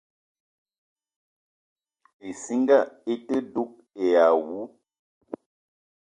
Issinga ite dug èè àwu